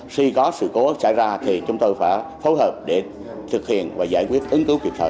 khi có sự cố xảy ra thì chúng tôi phải phối hợp để thực hiện và giải quyết ứng cứu kịp thời